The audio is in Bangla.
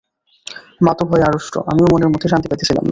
মা তো ভয়ে আড়ষ্ট, আমিও মনের মধ্যে শান্তি পাইতেছিলাম না।